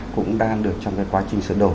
cũng đang được trong cái quá trình sửa đồ